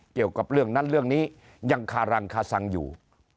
เกี่ยวกับเรื่องนั้นเรื่องนี้ยังคารังคาสังอยู่